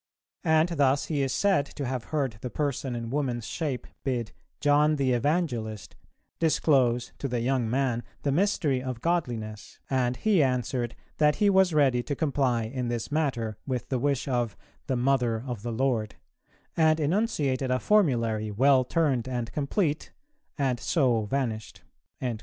And thus he is said to have heard the person in woman's shape bid 'John the Evangelist' disclose to the young man the mystery of godliness; and he answered that he was ready to comply in this matter with the wish of 'the Mother of the Lord,' and enunciated a formulary, well turned and complete, and so vanished."